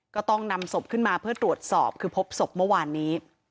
ก็ต้องนำศพขึ้นมาเพื่อตรวจสอบคือพบศพเมื่อวานนี้